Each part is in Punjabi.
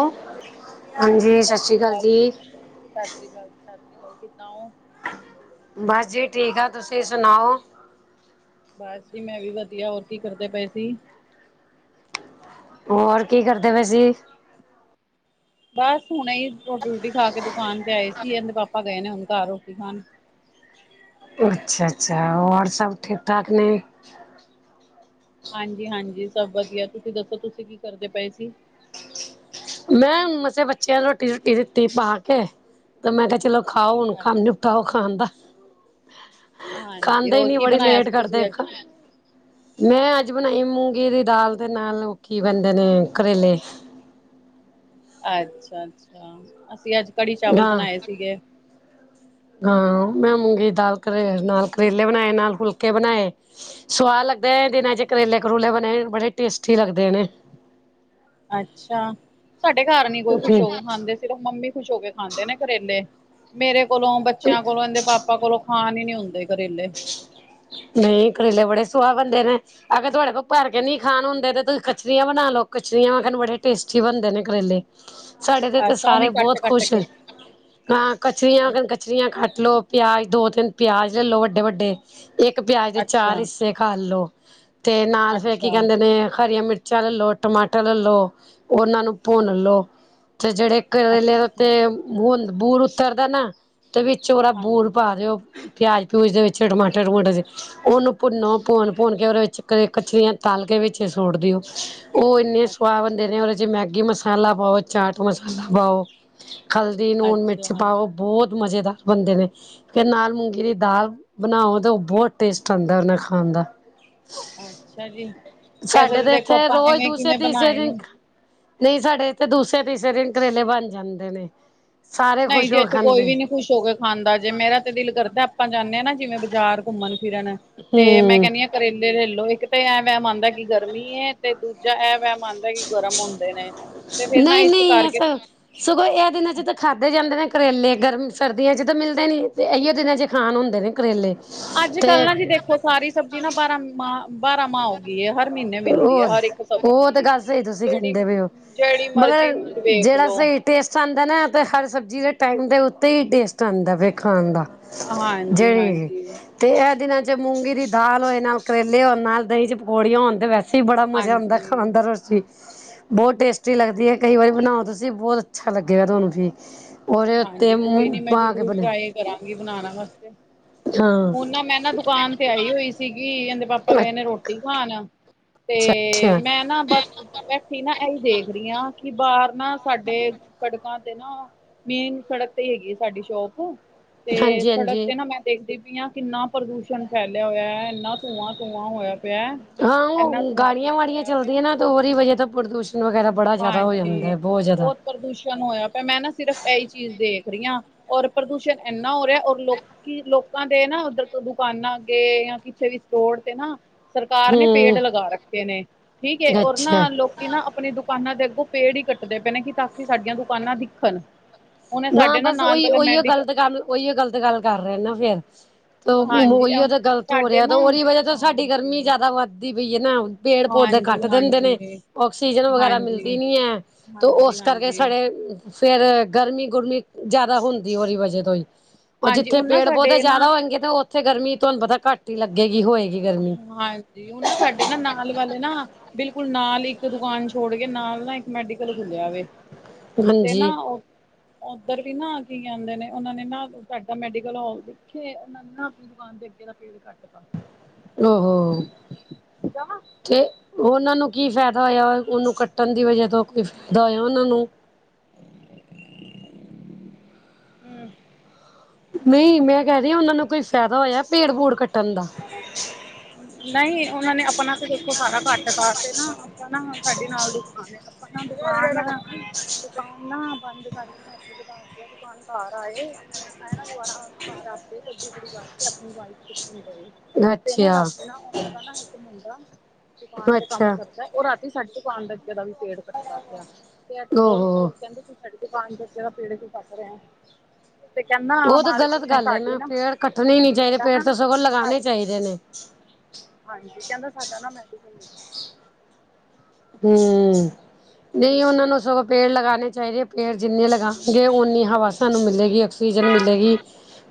ਉਹ ਹਾਂਜੀ ਸਤਿ ਸ਼੍ਰੀ ਅਕਾਲ ਜੀ ਸਤਿ ਸ੍ਰੀ ਅਕਾਲ ਸਤਿ ਸ੍ਰੀ ਅਕਾਲ ਕਿੱਦਾਂ ਹੋ ਬਸ ਜੀ ਠੀਕ ਆ ਤੁਸੀਂ ਸੁਣਾਓ ਬਸ ਜੀ ਮੈਂ ਵੀ ਵਧੀਆ ਹੋਰ ਕੀ ਕਰਦੇ ਪਏ ਸੀ। ਹੋਰ ਕੀ ਕਰਦੇ ਪਏ ਸੀ। ਬਸ ਹੁਣੇ ਹੀ ਰੋਟੀ ਰੋਟੀ ਖਾ ਕੇ ਦੁਕਾਨ ਤੇ ਆਏ ਸੀ ਇਹਦੇ ਪਾਪਾ ਗਏ ਨੇ ਹੁਣ ਘਰ ਰੋਟੀ ਖਾਣ ਅੱਛਾ ਅੱਛਾ ਔਰ ਸਭ ਠੀਕ ਠਾਕ ਨੇ ਹਾਂਜੀ ਹਾਂਜੀ ਸਭ ਵਧੀਆ ਤੁਸੀਂ ਦੱਸੋ ਤੁਸੀਂ ਕੀ ਕਰਦੇ ਪਏ ਸੀ। ਮੈਂ ਮਸੇ ਬੱਚਿਆਂ ਨੂੰ ਰੋਟੀ ਰੁਟੀ ਦਿੱਤੀ ਪਾ ਕੇ ਤੇ ਮੈਂ ਕਿਹਾ ਚਲੋ ਖਾਓ ਹੁਣ ਕੰਮ ਅੱਛਾ, ਨਿਪਟਾਓ ਖਾਣ ਦਾ ਹਾਂਜੀ, ਖਾਂਦੇ ਹੀ ਹੋਰ ਨੀ ਕੀ ਬੜੀ ਬਣਾਇਆ ਲੇਟ ਸੀ ਕਰਦੇ ਤੁਸੀਂ ਅੱਜ? ਇੱਕ ਮੈਂ ਅੱਜ ਬਣਾਈ ਮੂੰਗੀ ਦੀ ਦਾਲ ਦੇ ਨਾਲ ਉਹ ਕੀ ਕਹਿੰਦੇ ਆ ਕਰੇਲੇ ਅੱਛਾ- ਅੱਛਾ ਅਸੀਂ ਅੱਜ ਕੜੀ ਚਾਵਲ ਹਾਂ ਬਣਾਏ ਸੀਗੇ ਹਾਂ ਮੈਂ ਮੂੰਗੀ ਦਾਲ ਕਰੇ ਨਾਲ ਕਰੇਲੇ ਬਣਾਏ ਨਾਲ ਫੁਲਕੇ ਬਣਾਏ ਸਵਾਦ ਲੱਗਦਾ ਦਿਨਾਂ ਚ ਕਰੇਲੇ ਕਰੂਲੇ ਬਣੇ ਬੜੇ ਟੇਸਟੀ ਲੱਗਦੇ ਨੇ ਅੱਛਾ ਸਾਡੇ ਘਰ ਨੀ ਕੋਈ ਖੁਸ਼ ਹੋ ਕੇ ਖਾਂਦੇ ਸ਼ਿਰਫ ਮੰਮੀ ਖੁਸ਼ ਹੋ ਕੇ ਖਾਂਦੇ ਨੇ ਕਰੇਲੇ ਮੇਰੇ ਕੋਲੋਂ ਬੱਚਿਆਂ ਕੋਲੋਂ ਇਹਦੇ ਪਾਪਾ ਕੋਲੋਂ ਖਾਣ ਹੀ ਨੀ ਹੁੰਦੇ ਕਰੇਲੇ ਨਹੀਂ ਕਰੇਲੇ ਬੜੇ ਸੁਆਦ ਬਣਦੇ ਨੇ ਅਗਰ ਤੁਹਾਡੇ ਕੋਲ ਭਰ ਕੇ ਨਹੀਂ ਖਾਣ ਹੁੰਦੇ ਤੇ ਤੁਸੀਂ ਕਚਰੀਆਂ ਬਣਾ ਲਓ ਕਚਰੀਆਂ ਇਹਨੂੰ ਬੜੇ ਟੇਸਟੀ ਬਣਦੇ ਨੇ ਕਰੇਲੇ ਸਾਡੇ ਤੇ ਅੱਛਾ ਸਾਰੇ ਉਵੇਂ ਬਹੁਤ ਕੱਟ-ਕੱਟ ਖੁਸ਼ ਕੇ ਹਾਂ ਕਚਰੀਆਂ ਕਚਰੀਆਂ ਕੱਟ ਲੋ ਪਿਆਜ ਦੋ ਤਿੰਨ ਪਿਆਜ ਲੈ ਲੋ ਵੱਡੇ ਵੱਡੇ ਇੱਕ ਪਿਆਜ ਦੇ ਚਾਰ ਅੱਛਾ-ਅੱਛਾ, ਹਿੱਸੇ ਖਾ ਲੋ ਤੇ ਨਾਲ ਫਿਰ ਕੀ ਅੱਛਾ ਕਹਿੰਦੇ ਨੇ ਹਰੀਆਂ ਮਿਰ ਚੱਲ ਲਓ ਟਮਾਟਰ ਲੈ ਲਓ ਉਨਾਂ ਨੂੰ ਭੁੰਨ ਅੱਛਾ, ਲਓ ਤੇ ਜਿਹੜੇ ਕਰੇਲੇ ਦੇ ਅੱਛਾ, ਉੱਤੇ ਬੂਰ ਬੂਰ ਉਤਰਦਾ ਨਾ ਤੇ ਵਿੱਚ ਉਹਰਾ ਬੂਰ ਹਾਂਜੀ। ਪਾ ਦਿਓ ਪਿਆਜ ਪਿਊਜ ਦੇ ਵਿੱਚ ਟਮਾਟਰ ਟਮੂਟਰ ਦੇ ਉਹਨੂੰ ਭੁੰਨੋ ਭੁੰਨ ਭੁੰਨ ਕੇ ਉਹਦੇ ਵਿੱਚ ਕਚਰੀਆਂ ਤਲ ਕੇ ਵਿੱਚ ਸੁੱਟ ਦਿਓ। ਉਹ ਇੰਨੇ ਸਵਾਦ ਬੰਨਦੇ ਨੇ ਉਹਦੇ ਚ ਮੈਗੀ ਮਸਾਲਾ ਪਾਓ ਚਾਟ ਮਸਾਲਾ ਪਾਓ ਹਲਦੀ ਨੂਣ ਮਿਰਚ ਪਾਓ ਅੱਛਾ-ਅੱਛਾ ਬਹੁਤ ਮਜ਼ੇਦਾਰ ਬਣਦੇ ਨੇ ਫਿਰ ਨਾਲ ਮੂੰਗੀ ਦੀ ਦਾਲ ਬਣਾਓ ਤਾਂ ਉਹ ਬਹੁਤ ਟੇਸਟ ਆਂਦਾ ਉਹਦੇ ਖਾਣ ਦਾ। ਜੀ। ਵੈਸੇ ਸਾਡੇ ਤਾਂ ਤੇ ਦੇਖੋ ਇੱਥੇ ਆਪਾਂ ਰੋਜ਼ ਐਵੇਂ ਦੂਸਰੇ ਕਿਵੇਂ ਤੀਸਰੇ ਬਣਾਏ ਦਿਨ ਨੇ ਨਹੀਂ ਸਾਡੇ ਇੱਥੇ ਦੂਸਰੇ ਤੀਸਰੇ ਦਿਨ ਕਰੇਲੇ ਬਣ ਜਾਂਦੇ ਨੇ ਸਾਰੇ ਨਹੀਂ ਖੁਸ਼ ਜੀ ਹੋ ਕੇ ਇੱਥੇ ਕੋਈ ਖਾਂਦੇ ਵੀ ਨੀ ਖੁਸ਼ ਹੋ ਕੇ ਖਾਂਦਾ ਜੇ ਮੇਰਾ ਤੇ ਦਿਲ ਕਰਦਾ ਆਪਾਂ ਜਾਂਨੇ ਆ ਨਾ ਜਿਵੇਂ ਬਾਜ਼ਾਰ ਘੁੰਮਣ ਫਿਰਨ ਤੇ ਮੈਂ ਹਮ ਕਹਿਨੀ ਆ ਕਰੇਲੇ ਲੈਲੋ ਇੱਕ ਤੇ ਐ ਵੈਮ ਆਂਦਾ ਕਿ ਗਰਮੀ ਏ ਤੇ ਦੂਜਾ ਐ ਵੈਮ ਆਂਦਾ [unintelligible] ਗਰਮ ਹੁੰਦੇ ਨੇ ਤੇ ਫੇਰ ਨਾ ਇਸ ਕਰਕੇ ਸਗੋ ਐ ਦਿਨਾਂ ਚ ਤਾ ਖਾਧੇ ਜਾਂਦੇ ਨੇ ਕਰੇਲੇ ਗਰਮ ਸਰਦੀਆ ਚ ਤਾ ਮਿਲਦੇ ਨੀ ਐਇਯੋ ਦਿਨਾ ਚ ਖਾਣ ਹੁੰਦੇ ਨੇ ਕਰੇਲੇ। ਅੱਜ ਕੱਲ ਤੇ ਨਾ ਜੀ ਦੇਖੋ ਸਾਰੀ ਸਬਜ਼ੀ ਨਾ ਬਾਰਾ ਮਾ ਬਾਰਾ ਮਾ ਹੋ ਗੀ ਏ ਹਰ ਮੀਨੇ ਮਿਲਦੀ ਐ ਉਹ ਹਰ ਇੱਕ ਉਹ ਤੇ ਸਬਜ਼ੀ ਗੱਲ ਸਹੀ ਤੁਸੀਂ ਕਹਿੰਦੇ ਜੇੜੀ-ਜੇੜੀ ਮਰਜ਼ੀ ਵੇਖ ੜਾ ਲੋ ਸਈ ਟੇਸਟ ਆਂਦਾ ਨਾ ਤੇ ਹਰ ਸਬਜ਼ੀ ਦੇ ਟਾਈਮ ਦੇ ਉੱਤੇ ਈ ਟੇਸਟ ਆਂਦਾ ਵੇ ਖਾਣ ਦਾ। ਹਾਂਜੀ ਜੇਹੜੀ ਜੀ ਹਾਂਜੀ ਤੇ ਐ ਦਿਨਾਂ ਚ ਮੂੰਗੀ ਦੀ ਦਾਲ ਹੋਏ ਨਾਲ ਕਰੇਲੇ ਹੋਣ ਨਾਲ ਦਈ ਚ ਪਕੌੜੀਆਂ ਹੋਣ ਤੇ ਵੈਸੇ ਸੱਚੀ ਬੜਾ ਮਜ਼ਾ ਆਂਦਾ ਖਾਣ ਹਾਂਜੀ ਦਾ ਰੋਚੀ। ਬੋਤ ਟੇਸਟੀ ਲੱਗਦੀ ਐ ਕਈ ਵਾਰੀ ਬਣਾਓ ਤੁਸੀਂ ਬੋਹਤ ਅੱਛਾ ਲੱਗੇਗਾ ਤੁਹਾਨੂੰ ਵੀ। ਉਹਦੇ ਉੱਤੇ ਹਾਂਜੀ ਕੋਈ ਨੀ ਮੂੰ ਮੈਂ ਪਾ ਕੇ ਜ਼ਰੂਰ ਬਨਾ ਟਰਾਈ ਕਰਾਂਗੀ ਬਣਾਣਾ ਆਸਤੇ ਹਾਂ ਹੁਣ ਨਾ ਮੈਂ ਨਾ ਦੁਕਾਨ ਤੇ ਆਈ ਹੋਈ ਸ ਸੀਗੀ ਏਂਦੇ ਪਾਪਾ ਗਏ ਨੇ ਰੋਟੀ ਖਾਣ ਤੇ ਅੱਛਾ ਅੱਛਾ ਮੈਂ ਨਾ ਬਸ ਬੈਠੀ ਨਾ ਏਈ ਦੇਖ ਰਹੀ ਆ ਕਿ ਬਾਰ ਨਾ ਸਾਡੇ ਸੜਕਾਂ ਤੇ ਨਾ ਮੇਨ ਸੜਕ ਤੇ ਈ ਹੈਗੀ ਐ ਸਾਡੀ ਸ਼ੋਪ ਤੇ ਹਾਂਜੀ ਸੜਕ ਹਾਂਜੀ ਤੇ ਨਾ ਮੈਂ ਦੇਖਦੀ ਪਈ ਆ ਕਿੰਨਾ ਪ੍ਰਦੂਸ਼ਣ ਫੈਲਿਆ ਹੋਇਆ ਐਨਾ ਧੂੰਆਂ- ਧੂੰਆਂ ਹੋਇਆ ਪਿਆ। ਹਾਂ ਇੰਨਾ ਉਹ ਧੂੰਆਂ ਗਾੜੀਆਂ ਧੂੰਆਂ ਵਾੜੀਆਂ ਹੋਇਆ ਪਿਆ ਚੱਲਦੀਆਂ ਨਾ ਤਾ ਉਹਦੀ ਵਜ੍ਹਾ ਤਾ ਪ੍ਰਦੂਸ਼ਣ ਵਗੈਰਾ ਬੜਾ ਜਾਦਾ ਹੋ ਹਾਂਜੀ ਜਾਂਦਾ ਬੋਤ ਜਾਦਾ। ਬਹੁਤ ਪ੍ਰਦੂਸ਼ਣ ਹੋਇਆ ਪਿਆ ਮੈਂ ਨਾ ਸਿਰਫ ਐਈ ਚੀਜ਼ ਦੇਖ ਰੀ ਆ ਔਰ ਪ੍ਰਦੂਸ਼ਣ ਐਨਾ ਹੋ ਰਿਹਾ ਔਰ ਲੋਕ ਕੀ ਲੋਕਾਂ ਦੇ ਨਾ ਉੱਧਰ ਕੋ ਦੁਕਾਨਾਂ ਅੱਗੇ ਜਾਂ ਕਿੱਥੇ ਵੀ ਸਟੋਰ ਤੇ ਨਾ ਸਰਕਾਰ ਨੇ ਪੇੜ ਹੂੰ ਲਗਾ ਰੱਖੇ ਨੇ ਠੀਕ ਐ ਔਰ ਅੱਛਾ ਨਾ ਲੋਕ ਕੀ ਨਾ ਅਪਨੇ ਦੁਕਾਨਾਂ ਦੇ ਅੱਗੋਂ ਪੇੜ ਈ ਕੱਟਦੇ ਪਏ ਨੇ ਕਿ ਤਾਂ ਕਿ ਸਾਡੀਆਂ ਦੁਕਾਨਾਂ ਦਿਖਨ। ਹਾਂ ਬਸ ਉ ਉਹੀਓ ਗਲ ਤੇ ਗੱਲ ਉਹੀਓ ਗਲ ਤੇ ਗੱਲ ਕਰ ਰੇ ਆ ਨਾ ਫੇਰ। ਤੋ ਹਾਂਜੀ ਅ ਉਹੀਓ ਤਾਂ ਗਲਤ ਹੋ ਸਾਡੇ ਰਿਆ ਨਾ ਤਾਂ ਉਹਦੀ ਵਜ੍ਹਾ ਤੋਂ ਸਾਡੀ ਗਰਮੀ ਹਾਂਜੀ ਜਾਦਾ ਵੱਧਦੀ ਪਈ ਐ ਨਾ। ਪੇੜ ਪੋਦੇ ਹਾਂਜੀ ਕੱਟ ਦਿੰਦੇ ਨੇ ਹਾਂਜੀ ਆਕਸੀਜਨ ਵਗੈਰਾ ਮਿਲਦੀ ਹਾਂਜੀ ਨੀ ਐ। ਤੋ ਹਾਂਜੀ ਉਸ ਕਰਕੇ ਹਾਂਜੀ ਸਾਡੇ ਫੇਰ ਗਰਮੀ-ਗੁਰਮੀ ਜਾਦਾ ਹੁੰਦੀ ਓਦੀ ਵਜਾ ਤੋਂ ਈ। ਉਹ ਹਾਂਜੀ ਜਿੱਥੇ ਹੁਣ ਨਾ ਪੇੜ ਪੋਦੇ ਸਾਡੇ ਨਾ ਜਾਦਾ ਹੋਣਗੇ ਤਾਂ ਉੱਥੇ ਗਰਮੀ ਤੁਹਾਨੂੰ ਪਤਾ ਘੱਟ ਈ ਲੱਗੇਗੀ ਹੋਏਗੀ। ਗਰਮੀ ਹਾਂਜੀ ਉਹ ਨਾ ਸਾਡੇ ਨਾ ਨਾਲ ਵਾਲੇ ਨਾ ਬਿਲਕੁਲ ਨਾਲ ਇੱਕ ਦੁਕਾਨ ਛੋੜ ਕੇ ਨਾਲ ਨਾ ਇੱਕ ਮੈਡੀਕਲ ਖੁੱਲਿਆ ਵੇ। ਤੇ ਨਾ ਹਾਂਜੀ ਔ ਏਧਰ ਵੀ ਨਾ ਆ ਕੀ ਕੇਦੇ ਨੇ ਉਹਨਾਂ ਨੇ ਨਾ ਸਾਡਾ ਮੈਡੀਕਲ [unintelligible] ਉਹ ਨੇ ਨਾ ਦੁਕਾਨ ਦੇ ਅੱਗੇ ਦਾ ਪੇੜ ਕੱਟ ਤਾ। ਔ ਹੋ। ਜਾਵਾਂ ਤੇ ਉਨਾਂ ਨੂੰ ਕੀ ਫੇਦਾ ਹੋਇਆ ਉਨੂੰ ਕੱਟਣ ਦੀ ਵਜ੍ਹਾ ਤੋਂ ਕੋਈ ਫੇਦਾ ਹੋਇਆ ਉਨਾਂ ਨੂੰ। ਹੂੰ ਨੵਈ ਮੈਂ ਕੈ ਰੀ ਆ ਉਨਾਂ ਨੂੰ ਕੋਈ ਫਾਇਦਾ ਹੋਇਆ ਪੇੜ ਪੂੜ ਕੱਟਣ ਦਾ। ਨਈ ਉਨਾਂ ਨੇ ਆਪਣਾ ਤੇ ਦੇਖੋ ਸਾਰਾ ਕੱਟ ਤਾ ਤੇ ਨਾ ਆਪਾ ਨਾ ਸਾਡੇ ਨਾਲ ਦੀ ਦੁਕਾਨ ਐ ਆਪਾ ਦੁਕਾਨ, ਦੁਕਾਨ ਨਾ ਬੰਦ ਕਰਕੇ ਰਾਤੀ ਦੁਕਾਨ [unintelligible] ਕਾਰ ਆਏ ਐ ਨਾ ਦੁਬਾਰ ਰੱਖ ਕੇ ਗੱਡੀ ਖੜੀ ਕਰਕੇ ਅਪਣੀ ਬਾਈਕ ਚੂਕਨ ਗਏ। ਤੇ ਨਾ ਅੱਛਾ ਰਾਤੀ ਨਾ ਓਨਾ ਦਾ ਨਾ ਇੱਕ ਮੁੰਡਾ ਦੁਕਾਨ ਤੇ ਕੰਮ ਅੱਛਾ ਕਰ ਉਹ ਰਾਤੀ ਸਾਡੀ ਦੁਕਾਨ ਦੇ ਅੱਗੇ ਦਾ ਵੀ ਪੇੜ ਕੱਟਦਾ ਪਿਆ ਐ ਤੇ ਬੋਲ ਓਹੋ ਪਏ ਕੇਦੇ ਤੂੰ ਸਾਡੀ ਦੁਕਾਨ ਦੇ ਅੱਗੇ ਦਾ ਪੇੜ ਕਿਉ ਕੱਟ ਰਿਹਾ। ਕਹਿੰਦਾ ਤੇ ਉਹ ਤੇ ਹਮਾਰੀ ਗਲਤ ਗੱਲ ਏ ਸਾਡੀ ਨਾ ਪੇੜ ਕੱਟਣੇ ਨੀ ਚਾਈਦੇ ਸਾਡਾ ਪੇੜ ਤੇ ਨਾ ਸਗੋਂ ਲਗਾਣੇ ਚਾਈਦੇ ਨੇ। ਹਾਂਜੀ ਕਹਿੰਦਾ ਸਾਡਾ ਨਾ ਮੈਡੀਕਲ ਹੂੰ, ਨਈ ਉਹਨਾਂ ਨੂੰ ਸਗੋਂ ਪੇੜ ਲਗਾਣੇ ਚਾਹੀਦੇ ਪੇੜ ਜਿੰਨੇ ਲਗਾਣਗੇ ਓਨੀ ਹਵਾ ਸਾਨੂੰ ਮਿਲੇਗੀ ਆਕਸੀਜਨ ਮਿਲੇਗੀ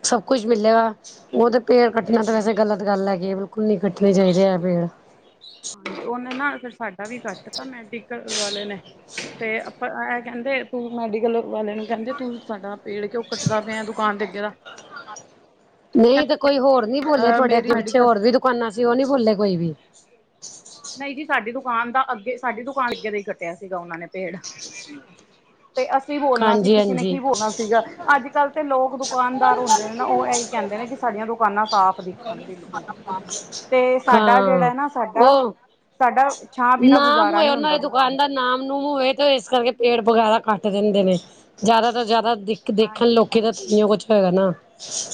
ਸਭ ਕੁਛ ਮਿਲੇਗਾ ਉਹ ਤੇ ਪੇੜ ਕੱਟਣਾ ਤਾ ਵੈਸੇ ਗਲਤ ਗੱਲ ਹੈਗੀ ਏ ਬਿਲਕੁਲ ਨੀਂ ਕੱਟਣੇ ਚਾਹੀਦੇ ਏ ਪੇੜ ਉਹਨੇ ਨਾ ਫੇਰ ਸਾਡਾ ਵੀ ਕੱਟ ਤਾਂ ਮੈਡੀਕਲ ਵਾਲੇ ਨੇ ਤੇ ਆਪਾ ਐਹ ਕਹਿੰਦੇ ਤੂੰ ਮੈਡੀਕਲ ਵਾਲੇ ਨੂੰ ਕਹਿੰਦੇ ਤੂੰ ਸਾਡਾ ਪੇੜ ਕਿਉਂ ਕੱਟਦਾ ਪਿਆ ਦੁਕਾਨ ਦੇ ਅੱਗੇ ਦਾ ਨਹੀਂ ਤੇ ਕੋਈ ਹੋਰ ਨੀ ਬੋਲਿਆ ਅ ਤੁਹਾਡੇ ਮੇਰੀ ਅੱਗੇ ਪਿੱਛੇ ਮੈਡੀਕਲ ਹੋਰ ਵੀ ਦੁਕਾਨਾਂ ਸੀ ਉਹ ਨੀ ਬੋਲੇ ਕੋਈ ਵੀ ਨਹੀਂ ਜੀ ਸਾਡੀ ਦੁਕਾਨ ਦਾ ਅੱਗੇ ਸਾਡੀ ਦੁਕਾਨ ਅੱਗੇ ਦਾ ਹੀ ਕੱਟਿਆ ਸੀਗਾ ਉਹਨਾਂ ਨੇ ਪੇੜ ਤੇ ਅਸੀਂ ਬੋਲਣਾ ਸੀ ਹਾਂਜੀ ਕਿਸੇ ਨੇ ਹਾਂਜੀ ਕੀ ਬੋਲਣਾ ਸੀਗਾ ਅੱਜ ਕੱਲ੍ਹ ਤੇ ਲੋਕ ਦੁਕਾਨਦਾਰ ਹੁੰਦੇ ਨੇ ਨਾ ਉਹ ਐਹੀ ਕਹਿੰਦੇ ਨੇ ਕਿ ਸਾਡੀਆਂ ਦੁਕਾਨਾਂ ਸਾਫ਼ ਦਿਖਣ ਬਿਲਕੁਲ ਤੇ ਸਾਡਾ ਹਾਂ ਜਿਹੜਾ ਨਾ ਓ ਸਾਡਾ ਸਾਡਾ ਛਾਂ ਬਿਨਾਂ ਨਾਮ ਗੁਜ਼ਾਰਾ ਹੋਏ ਨਹੀਂ ਉਹਨਾਂ ਹੁੰਦਾ ਦੀ ਦੁਕਾਨ ਦਾ ਤੇ ਨਾਮ ਨੂਮ ਹੋਏ ਤੇ ਇਸ ਕਰਕੇ ਪੇੜ ਵਗੈਰਾ ਕੱਟ ਦਿੰਦੇ ਨੇ ਜਿਆਦਾ ਤੋਂ ਜਿਆਦਾ ਦੇਖ ਦੇਖਣ ਹਾਂਜੀ ਲੋਕ ਤਾਂ ਹਾਂਜੀ ਤਾਂਹੀ ਓ ਕੁਛ ਹੈਗਾ ਨਾ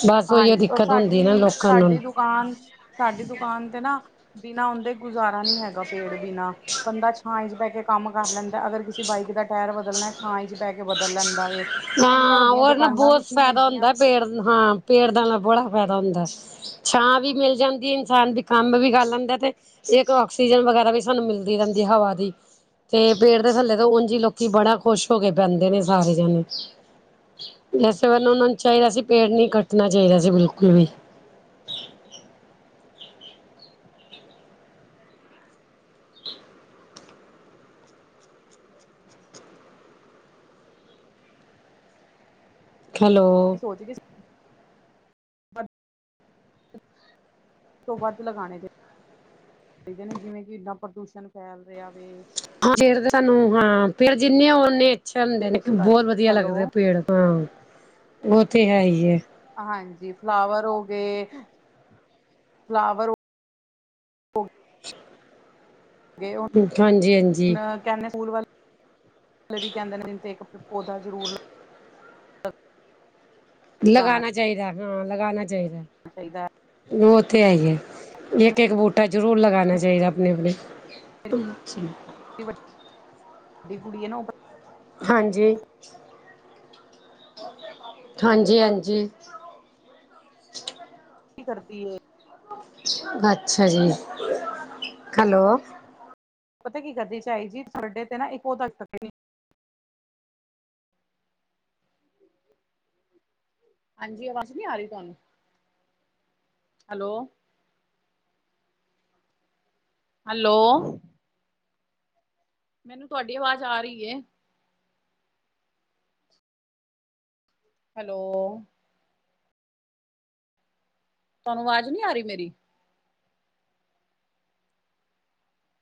ਬਸ ਉਹੀ ਓ ਹਾਂਜੀ ਔਰ ਦਿੱਕਤ ਹੁੰਦੀ ਆ ਨਾ ਸਾਡੀ ਲੋਕਾਂ ਨੂੰ ਸਾਡੀ ਦੁਕਾਨ ਸਾਡੀ ਦੁਕਾਨ ਤੇ ਨਾ ਬਿਨਾਂ ਉਦੇ ਗੁਜ਼ਾਰਾ ਨੀ ਹੈਗਾ ਪੇੜ ਬਿਨਾਂ ਬੰਦਾ ਛਾਂਏ ਚ ਬਹਿ ਕੇ ਕੰਮ ਕਰ ਲੈਂਦਾ ਅਗਰ ਕਿਸੇ ਬਾਈਕ ਦਾ ਟਾਇਰ ਬਦਲ ਣੇ ਛਾਂਏ ਚ ਬਹਿ ਕੇ ਬਦਲ ਲੈਂਦਾ ਵੇ ਹੁਣ ਇੰਨੀਆਂ ਹਾਂ ਵੱਡੀਆਂ ਉਹ ਨਾ ਦੁਕਾਨਾਂ ਬਹੁਤ ਵੀ ਨੀ ਫਾਇਦਾ ਹੈਗੀਆਂ ਹੁੰਦਾ ਪੇੜ ਹਾਂ ਪੇੜ ਦਾ ਨਾ ਬੜਾ ਫਾਇਦਾ ਹੁੰਦਾ ਛਾਂ ਵੀ ਮਿਲ ਜਾਂਦੀ ਇਨਸਾਨ ਦੀ ਕੰਮ ਵੀ ਕਰ ਲੈਂਦਾ ਤੇ ਇੱਕ ਆਕਸੀਜਨ ਵਗੈਰਾ ਵੀ ਸਾਨੂੰ ਮਿਲਦੀ ਰਹਿੰਦੀ ਹਵਾ ਦੀ ਤੇ ਪੇੜ ਦੇ ਥੱਲੇ ਤੇ ਉਝ ਹੀ ਲੋਕੀ ਬੜਾ ਖੁਸ਼ ਹੋ ਕੇ ਬਹਿਦੇ ਨੇ ਸਾਰੇ ਜਣੇ ਵੈਸੇ ਉਨ ਉਹਨਾ ਨੂੰ ਚਾਹੀਦਾ ਸੀ ਪੇੜ ਨੀ ਕੱਟਣਾ ਚਾਹੀਦਾ ਸੀ ਬਿਲਕੁਲ ਵੀ ਹੈਲੋ [unintelligible] ਤੋਂ ਵੱਧ ਲਗਾਨੇ ਚਾਹੀ ਚਾਹੀਦੇ ਨੇ ਜਿਵੇਂ ਕਿ ਇਨਾ ਪ੍ਰਦੂਸ਼ਣ ਫੈਲ ਰਿਹਾ ਵੇ ਪੇੜ ਤਾਂ ਸਾਨੂੰ ਹਾਂ ਫੇਰ ਜਿੰਨੇ ਆ ਉਨੇ ਅੱਛੇ ਹੁੰਦੇ ਤੇ ਨੇ ਉਸ ਕਰ ਬਹੁਤ ਵਧੀਆ ਹੈਲੋ ਲੱਗਦੇ ਪੇੜ ਹਾਂ ਉਹ ਤੇ ਹੈ ਈ ਏ ਹਾਂਜੀ ਫਲਾਵਰ ਹੋ ਗਏ ਫਲਾਵਰ [inaudible] ਹੋਗੇ ਹਾਂਜੀ-ਹਾਂਜੀ ਹੁਣ ਕਹਿੰਦੇ ਸਕੂਲ ਵਾਲੇ ਵੀ ਕਹਿੰਦੇ ਨੇ ਤੇ ਇੱਕ ਪੌਦਾ ਜ਼ਰੂਰ ਲਾਓ ਲਗਾਉਣਾ ਲਗਾਣਾ ਚਾਹੀਦਾ, ਹਾਂ ਲਗਾਣਾ ਚਾਹੀਦਾ ਚਾਹੀਦਾ ਉਹ ਤੇ ਹੈ ਇਸ ਏ ਇੱਕ ਇੱਕ ਬੂਟਾ ਜ਼ਰੂਰ ਲਗਾਣਾ ਚਾਹੀਦਾ ਆਪਣੇ-ਆਪਣੇ ਵੱਡੀ ਕੁੜੀ ਐ ਨਾ ਉਹ ਹਾਂਜੀ, ਹਾਂਜੀ-ਹਾਂਜੀ ਕੀ ਕਰਦੀ ਏ ਅੱਛਾ ਜੀ, ਹੈਲੋ ਪਤਾ ਕੀ ਕਦੇ ਚਾਈ ਜੀ ਤੁਹਾਡੇ ਤੇ ਨਾ ਇੱਕੋ [inaudible] ਹਾਂਜੀ ਅਵਾਜ਼ ਨੀ ਆ ਰੀ ਤੁਹਾਨੂੰ। ਹੈਲੋ ਹੈਲੋ ਮੈਨੂੰ ਤੁਹਾਡੀ ਆਵਾਜ਼ ਆ ਰਹੀ ਏ। ਹੈਲੋ ਤੁਹਾਨੂੰ ਆਵਾਜ਼ ਨੀਂ ਆ ਰੀ ਮੇਰੀ।